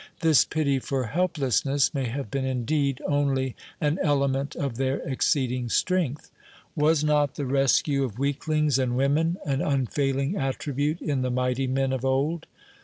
This pity for helplessness may have been indeed only an element of their exceeding strength. Was not the rescue of weaklings and women an unfailing attribute in the mighty men of old?